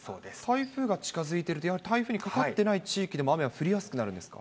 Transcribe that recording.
台風が近づいていると、台風にかかっていない地域でも雨は降りやすくなるんですか？